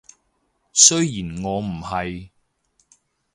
雖然我唔係